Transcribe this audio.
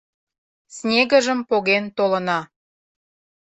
Снегыжым поген толына.